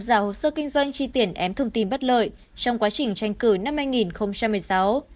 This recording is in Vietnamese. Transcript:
giả hồ sơ kinh doanh chi tiền ém thông tin bất lợi trong quá trình tranh cử năm hai nghìn một mươi sáu